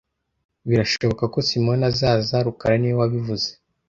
Birashoboka ko Simoni azaza rukara niwe wabivuze